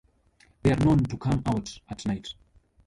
They are known to come out at night.